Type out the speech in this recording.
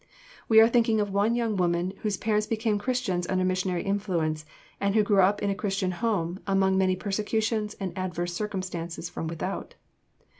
We are thinking of one young woman whose parents became Christians under missionary influence, and who grew up in a Christian home among many persecutions and adverse circumstances from without.